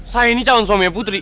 saya ini cawan suaminya putri